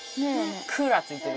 クーラーついてる？